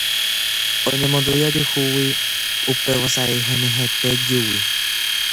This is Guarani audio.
Oñemondýi ojuhúgui upe vosa'i henyhẽte júgui.